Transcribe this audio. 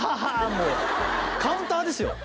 もうカウンターですよ？